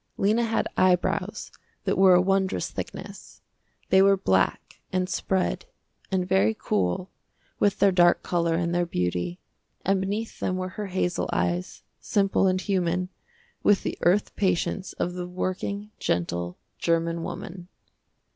Lena had eyebrows that were a wondrous thickness. They were black, and spread, and very cool, with their dark color and their beauty, and beneath them were her hazel eyes, simple and human, with the earth patience of the working, gentle, german woman.